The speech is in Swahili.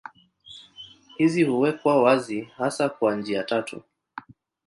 Hizi huwekwa wazi hasa kwa njia tatu.